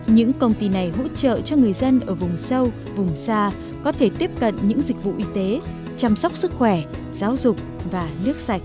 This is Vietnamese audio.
những công ty này hỗ trợ cho người dân ở vùng sâu vùng xa có thể tiếp cận những dịch vụ y tế chăm sóc sức khỏe giáo dục và nước sạch